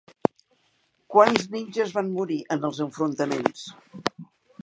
Quants ninges van morir en els enfrontaments?